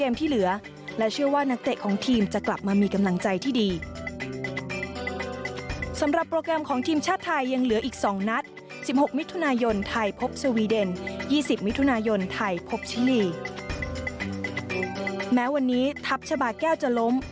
แม้วันนี้ทัพชาบาแก้วจะล้ม